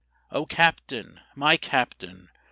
O Captain! my Captain!